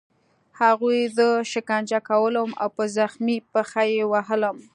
هغوی زه شکنجه کولم او په زخمي پښه یې وهلم